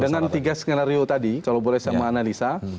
dengan tiga skenario tadi kalau boleh saya menganalisa